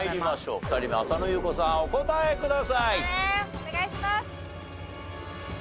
お願いします！